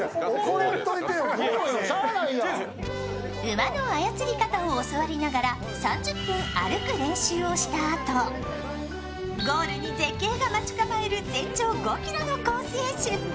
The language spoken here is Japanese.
馬の操り方を教わりながら３０分、歩く練習をしたあと、ゴールに絶景が待ち構える全長５ｋｍのコースへ出発。